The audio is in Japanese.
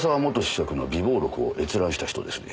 爵の備忘録を閲覧した人ですね。